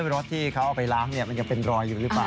รถที่เขาเอาไปล้างมันยังเป็นรอยอยู่หรือเปล่า